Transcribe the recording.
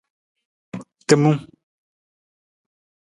Timung.